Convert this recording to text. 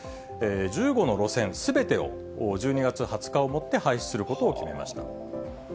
１５の路線すべてを１２月２０日をもって廃止することを決めまし